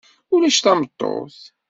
Ulac tameṭṭut.